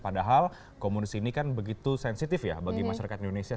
padahal komunis ini kan begitu sensitif ya bagi masyarakat indonesia